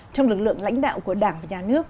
trong lực lượng lãnh đạo của đảng và nhà nước